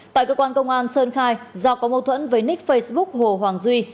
tại cơ quan công an sơn khai do có mâu thuẫn với nick facebook hồ hoàng duy